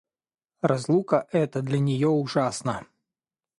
Разлука эта для нее ужасна.